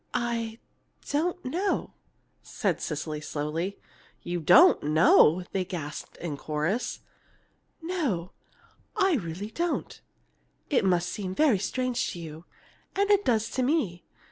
"I don't know!" said Cecily slowly. "You don't know!" they gasped in chorus. "No, I really don't. It must seem very strange to you, and it does to me.